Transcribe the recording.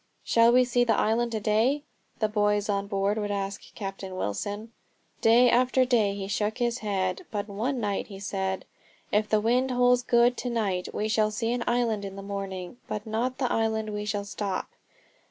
"Shall we see the island to day?" the boys on board would ask Captain Wilson. Day after day he shook his head. But one night he said: "If the wind holds good to night we shall see an island in the morning, but not the island where we shall stop."